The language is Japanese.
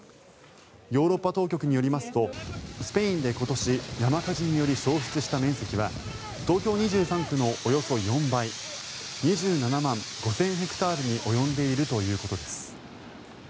ヨーロッパ当局によりますとスペインで今年山火事により焼失した面積は東京２３区のおよそ４倍２７万５０００ヘクタールに及んでいるということです。